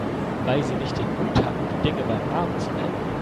Weil Sie nicht den Mut hatten, die Dinge beim Namen zu nennen.